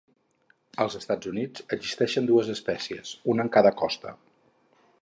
Als Estats Units existeixen dues espècies, una en cada costa.